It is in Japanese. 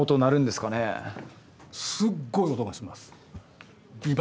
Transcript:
すっごい音がします。